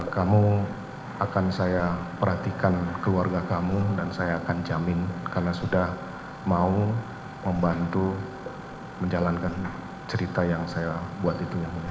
kamu akan saya perhatikan keluarga kamu dan saya akan jamin karena sudah mau membantu menjalankan cerita yang saya buat itu yang mulia